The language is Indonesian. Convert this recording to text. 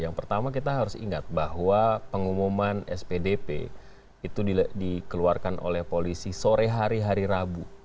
yang pertama kita harus ingat bahwa pengumuman spdp itu dikeluarkan oleh polisi sore hari hari rabu